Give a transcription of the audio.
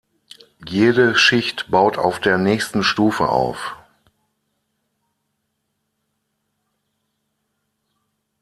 Jede Schicht baut auf der nächsten Stufe auf.